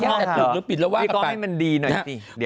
วิเคราะห์ให้มันดีหน่อยสิ